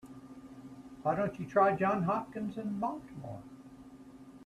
Why don't you try Johns Hopkins in Baltimore?